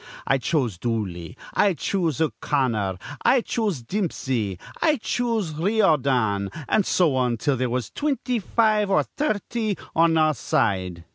'I choose Dooley,' 'I choose O'Connor,' 'I choose Dimpsey,' 'I choose Riordan,' an' so on till there was twinty five or thirty on a side.